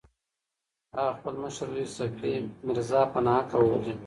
هغه خپل مشر زوی صفي میرزا په ناحقه وواژه.